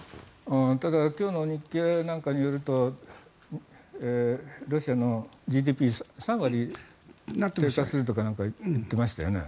ただ今日の日経なんかによるとロシアのＧＤＰ３割低下するとか言っていましたよね。